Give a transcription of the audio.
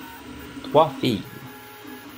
Trois filles.